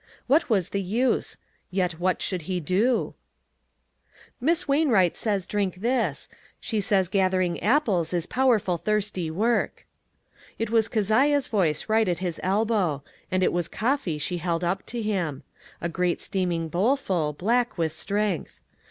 What was the use? Yet what should he do? 22O ONE COMMONPLACE DAY. "Miss Wainwright says drink this; she says gathering apples is powerful thirsty work." It was Keziah's voice right at his elbow, and it was coffee she held up to him. A great steaming bowl full, black with strength.